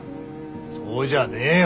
そうじゃねえよ。